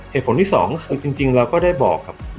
เหตุผลที่สองก็คือจริงเราก็ได้บอกครับ